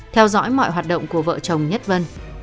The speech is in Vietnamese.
theo dõi mọi hoạt động của vợ chồng nhất vân